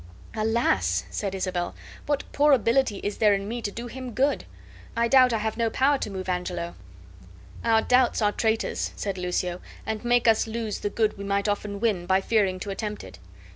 "Alas!" said Isabel, "what poor ability is there in me to do him good? I doubt I have no power to move Angelo." "Our doubts are traitors," said Lucio, "and make us lose the good we might often win, by fearing to attempt it.